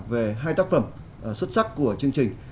về hai tác phẩm xuất sắc của chương trình